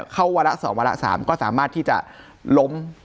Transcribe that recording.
วาระ๒วาระ๓ก็สามารถที่จะล้ม